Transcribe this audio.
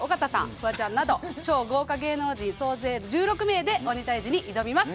フワちゃんなど超豪華芸能人総勢１６名で鬼タイジに挑みます